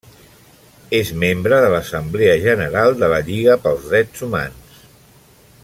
És membre de l'assemblea general de la Lliga pels Drets Humans.